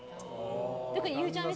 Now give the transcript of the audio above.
特にゆうちゃみ